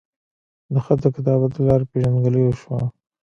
د خط وکتابت لۀ لارې پېژنګلو اوشوه